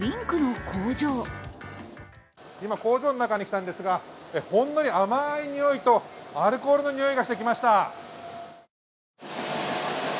今、工場の中に来たんですがほんのり甘いにおいとアルコールのにおいがしてきました。